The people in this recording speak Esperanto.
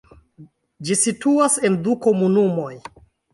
Ĝi situas en du komunumoj.